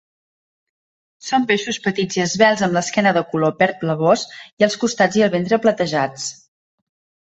Són peixos petits i esvelts amb l'esquena de color verd blavós, i els costats i el ventre platejats.